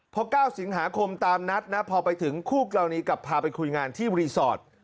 พอ๙สิงหาคมตามนัดนะพอไปถึงคู่กรณีกลับพาไปคุยงานที่รีสอร์ท